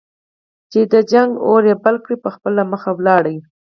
چې د جنګ اور یې بل کړ په خپله مخه ولاړ.